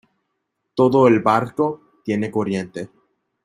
todo el barco tiene corriente.